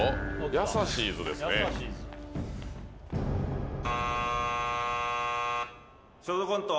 やさしいズですねショートコント